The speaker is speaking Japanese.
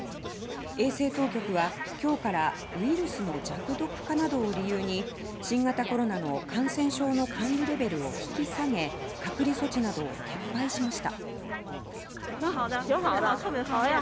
衛生当局は今日からウイルスの弱毒化などを理由に新型コロナの感染症の管理レベルを引き下げ隔離措置などを撤廃しました。